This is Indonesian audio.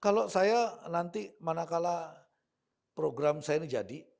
kalau saya nanti mana kala program saya ini jadi